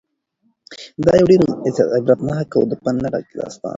دا یو ډېر عبرتناک او د پند نه ډک داستان و.